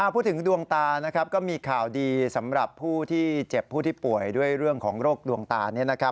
พูดถึงดวงตาก็มีข่าวดีสำหรับผู้ที่เจ็บผู้ที่ป่วยด้วยเรื่องของโรคดวงตา